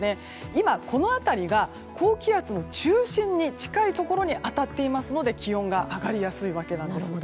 今、この辺りが高気圧の中心に近いところに当たっていますので気温が上がりやすいわけなんです。